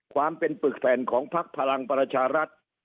ความเป็นปึกแผ่นของพักพลังประชารัฐ